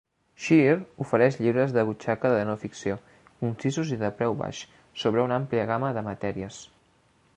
Shire ofereix llibres de butxaca de no ficció, concisos i de preu baix, sobre una àmplia gama de matèries.